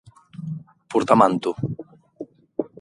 Portar manto.